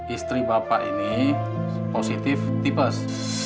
istri bapak ini positif tipes